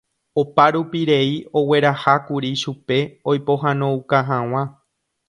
Oparupirei oguerahákuri chupe oipohánouka hag̃ua.